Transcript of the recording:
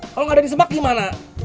kalau nggak ada di semak gimana